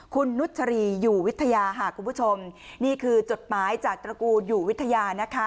คุณนุชรีอยู่วิทยาค่ะคุณผู้ชมนี่คือจดหมายจากตระกูลอยู่วิทยานะคะ